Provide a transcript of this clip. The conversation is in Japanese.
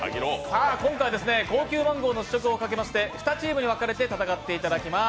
今回、高級マンゴーの試食をかけまして、２チームに分けて戦っていただきます。